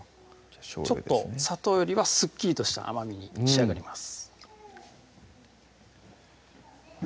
ちょっと砂糖よりはスッキリとした甘みに仕上がります